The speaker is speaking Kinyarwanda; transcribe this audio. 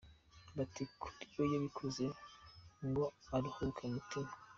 Bati“Kuri we yabikoze ngo aruhuke mu mutima.